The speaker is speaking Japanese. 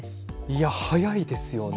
いや速いですよね。